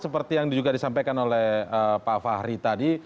seperti yang juga disampaikan oleh pak fahri tadi